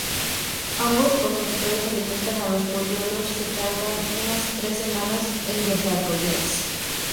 Ambos progenitores alimentan a los polluelos que tardan unas tres semanas en desarrollarse.